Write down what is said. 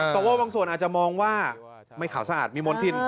สวบางส่วนอาจจะมองว่าไม่ขาวสะอาดมีมณฑิน